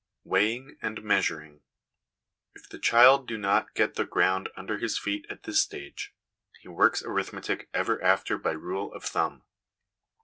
Weighing and Measuring. If the child do not get the ground under his feet at this stage, he works arithmetic ever after by rule of thumb.